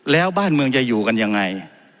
แล้วบ้านเมืองจะอยู่กันยังไง